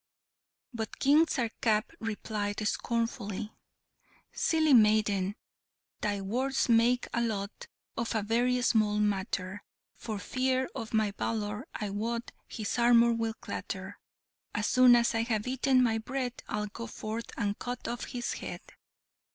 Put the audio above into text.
But King Sarkap replied scornfully: "Silly maiden, thy words make a lot Of a very small matter; For fear of my valour, I wot, His armour will clatter. As soon as I've eaten my bread I'll go forth and cut off his head!"